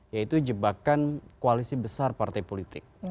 yaitu jebakan koalisi besar partai politik